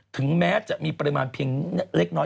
ถึงแม้จะมีปริมาณเพียงเล็กน้อย